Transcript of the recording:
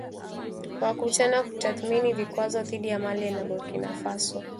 wakutana kutathmini vikwazo dhidi ya Mali na Burkina Faso